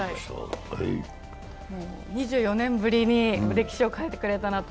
２４年ぶりに歴史を変えてくれたなと。